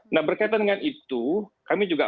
nah berkaitan dengan itu kami juga